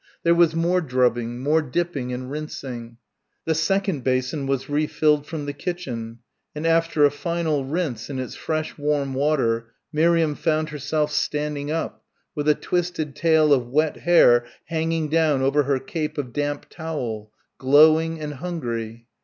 There was more drubbing, more dipping and rinsing. The second basin was re filled from the kitchen, and after a final rinse in its fresh warm water, Miriam found herself standing up with a twisted tail of wet hair hanging down over her cape of damp towel glowing and hungry.